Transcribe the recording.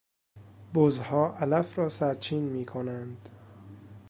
بزها علف را سرچین میکنند.